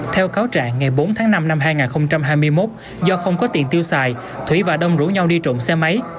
theo cáo trạng ngày bốn tháng năm năm hai nghìn hai mươi một do không có tiền tiêu xài thủy và đông rủ nhau đi trộm xe máy